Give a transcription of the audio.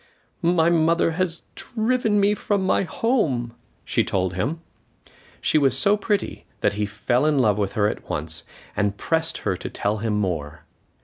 "My mother has driven me from my home," she told him. She was so pretty that he fell in love with her at once, and pressed her to tell him more.